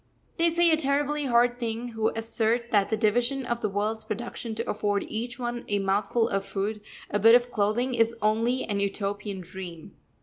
They say a terribly hard thing who assert that the division of the world's production to afford each one a mouthful of food, a bit of clothing, is only an Utopian dream.